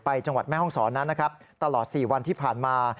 จังหวัดแม่ห้องศรนั้นนะครับตลอด๔วันที่ผ่านมา